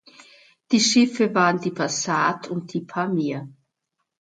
Die Schiffe waren die "Passat" und die "Pamir".